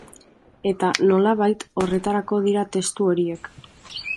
Eta, nolabait, horretarako dira testu horiek.